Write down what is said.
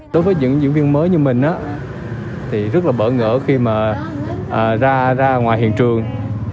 đối với những diễn viên mới như mình thì rất là bỡ ngỡ khi mà ra ngoài hiện trường